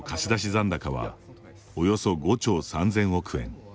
残高はおよそ５兆３０００億円。